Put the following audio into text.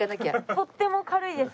とっても軽いです